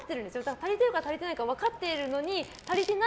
足りてるか足りてないか分かってるのに足りてない